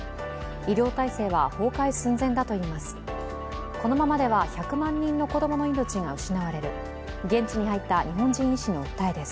医療体制は崩壊寸前だといいます。